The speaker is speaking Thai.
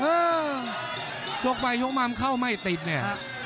เออยกไปยกมาเข้าไม่ติดเนี่ย